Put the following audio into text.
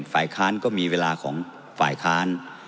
ฝ่ายค้านก็มีเวลาของฝ่ายค้าน